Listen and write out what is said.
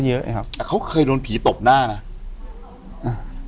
อยู่ที่แม่ศรีวิรัยิลครับ